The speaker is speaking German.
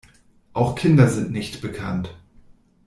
Auch Kinder sind nicht bekannt.